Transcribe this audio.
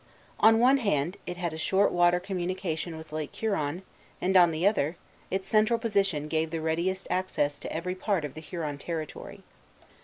On one hand, it had a short water communication with Lake Huron; and on the other, its central position gave the readiest access to every part of the Huron territory.